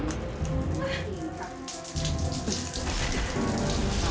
gak ada yang bisa bantuin